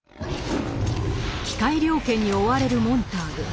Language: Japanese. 機械猟犬に追われるモンターグ。